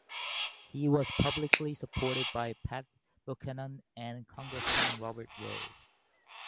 He was publicly supported by Pat Buchanan and Congressman Robert Roe.